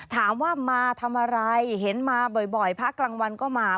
ถามว่ามาทำอะไรเห็นมาบ่อยพระกลางวันก็มา